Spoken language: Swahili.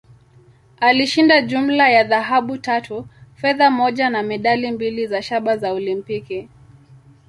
Alishinda jumla ya dhahabu tatu, fedha moja, na medali mbili za shaba za Olimpiki.